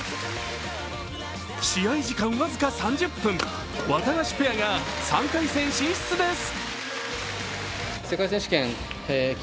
試合時間僅か３０分、ワタガシペアが３回戦進出です。